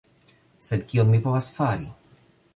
Sed kion mi povas fari?